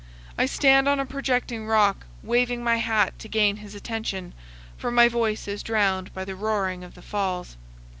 I stand on a projecting rock, waving my hat to gain his attention, for my voice is drowned by the roaring of the falls.